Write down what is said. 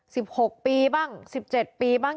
หกปีบ้างสิบเจ็ดปีบ้าง